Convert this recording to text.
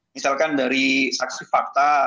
misalkan dari saksi fakta